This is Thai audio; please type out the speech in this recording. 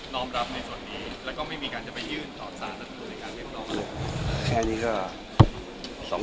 น้องรับในส่วนนี้แล้วก็ไม่มีการจะไปยื่นถอดสารสัตว์ในการเล็กลอง